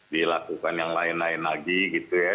dilakukan yang lain lain lagi gitu ya